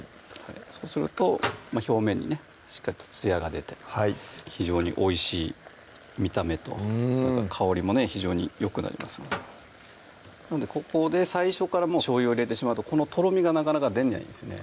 そうすると表面にねしっかりとつやが出て非常においしい見た目と香りもね非常によくなりますのでここで最初からしょうゆを入れてしまうとこのとろみがなかなか出にゃいんですね